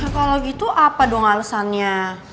kalau gitu apa dong alasannya